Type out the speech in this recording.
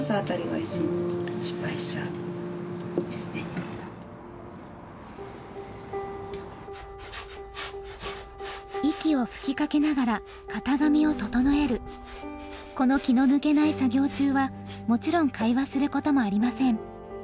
この息を吹きかけながら型紙を整えるこの気の抜けない作業中はもちろん会話することもありません。